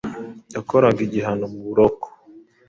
yakoraga igihano mu buroko